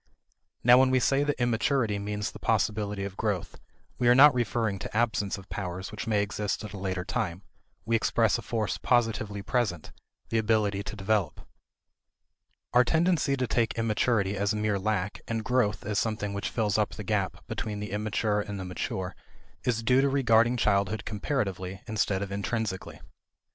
Now when we say that immaturity means the possibility of growth, we are not referring to absence of powers which may exist at a later time; we express a force positively present the ability to develop. Our tendency to take immaturity as mere lack, and growth as something which fills up the gap between the immature and the mature is due to regarding childhood comparatively, instead of intrinsically.